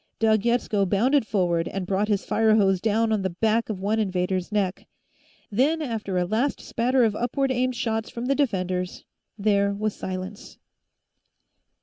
Doug Yetsko bounded forward and brought his fire hose down on the back of one invader's neck. Then, after a last spatter of upward aimed shots from the defenders, there was silence.